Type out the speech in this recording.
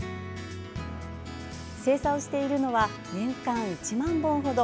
生産しているのは年間１万本ほど。